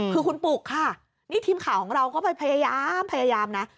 คือคุณปุกค่ะนี่ทีมข่าวของเราก็ไปพยายามพยายามนะ